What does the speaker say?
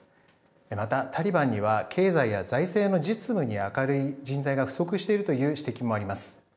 また、タリバンには経済や財政の実務に明るい人材が不足しているという指摘もあります。